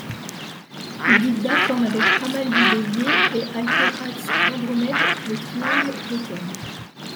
Diphda forme avec Hamal du Bélier et Alphératz d'Andromède le Triangle d'automne.